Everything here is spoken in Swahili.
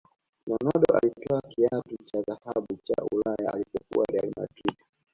ronaldo alitwaa kiatu cha dhahabu cha ulaya alipokuwa real madrid